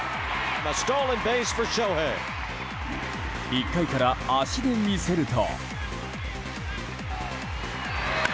１回から足で見せると。